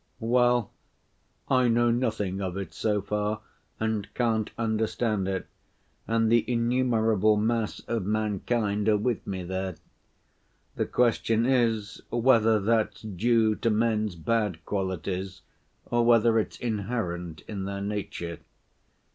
"Well, I know nothing of it so far, and can't understand it, and the innumerable mass of mankind are with me there. The question is, whether that's due to men's bad qualities or whether it's inherent in their nature.